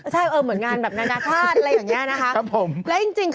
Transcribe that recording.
ใช่เออเหมือนงานแบบนานาชาติอะไรอย่างนี้นะคะ